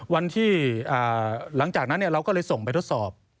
วันที่หลังจากนั้นเราก็เลยส่งไปทดสอบ